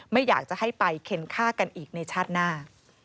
ไม่อยากจะให้ไปเคนฆ่ากันอีกในชาติหน้า